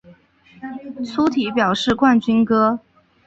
粗体表示冠军歌